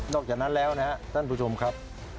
จากนั้นแล้วนะครับท่านผู้ชมครับ